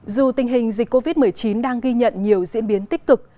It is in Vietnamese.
dù tình hình dịch covid một mươi chín đang ghi nhận nhiều diễn biến tích cực